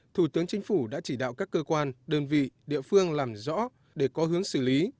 thủ tướng chính phủ đã chỉ đạo các cơ quan đơn vị địa phương làm rõ để có hướng xử lý